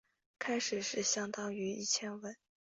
开始是相当于一千文。